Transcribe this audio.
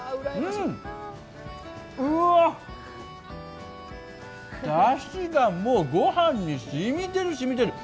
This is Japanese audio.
うわっ、だしがもうご飯にしみてる、しみてる。